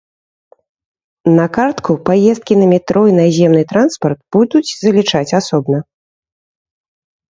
На картку паездкі на метро і наземны транспарт будуць залічаць асобна.